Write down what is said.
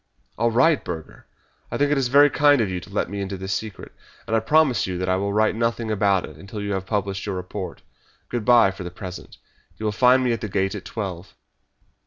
"All right, Burger! I think it is very kind of you to let me into this secret, and I promise you that I will write nothing about it until you have published your report. Good bye for the present! You will find me at the Gate at twelve."